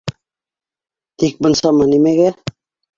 Тик бынсама нимәгә?